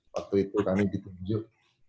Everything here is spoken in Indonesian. waktu itu kami ditunjuk